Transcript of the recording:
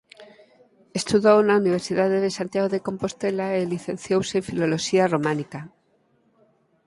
Estudou na Universidade de Santiago de Compostela e licenciouse en Filoloxía Románica.